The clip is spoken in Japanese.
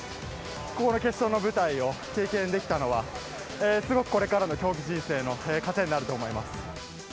この決勝の舞台を経験できたのは、すごくこれからの競技人生の糧になると思います。